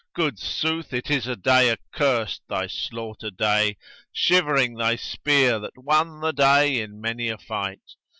Good sooth, it is a day accurst, thy slaughter day * Shivering thy spear that won the day in many a fight!